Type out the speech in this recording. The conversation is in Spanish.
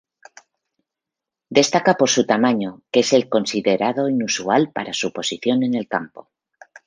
Destaca por su tamaño, que es considerado inusual para su posición en el campo.